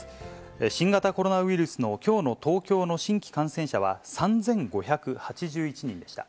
新型コロナウイルスのきょうの東京の新規感染者は３５８１人でした。